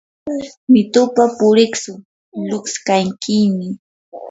mitupa puritsu lutskankiymi.